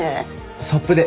サップで。